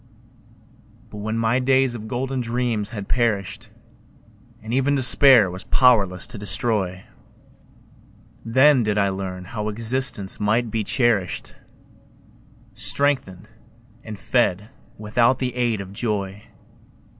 But when my days of golden dreams had perished, And even Despair was powerless to destroy, Then did I learn how existence might be cherished, Strengthened and fed without the aid of joy.